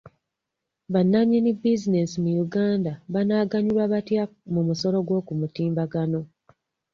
Bannanyini bizinensi mu Uganda banaaganyulwa batya mu musolo gw'okumutimbagano?